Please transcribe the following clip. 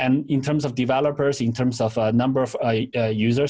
dalam hal pengembang dan pengguna